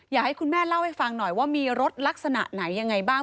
อยากให้คุณแม่เล่าให้ฟังหน่อยว่ามีรถลักษณะไหนยังไงบ้าง